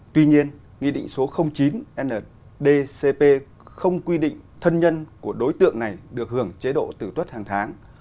tuy nhiên nghị định số chín ndcp không quy định thân nhân của đối tượng này được hưởng chế độ tử tuất hàng tháng